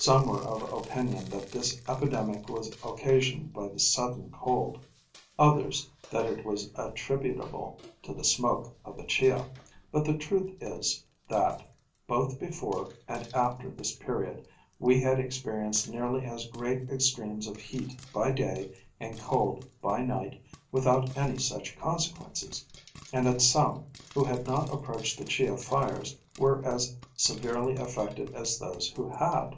Some were of opinion that this epidemic was occasioned by the sudden cold, others that it was attributable to the smoke of the chiah; but the truth is, that, both before and after this period, we had experienced nearly as great extremes of heat by day and cold by night without any such consequences, and that some, who had not approached the chiah fires were as severely affected as those who had.